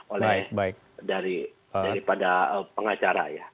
oleh daripada pengacara ya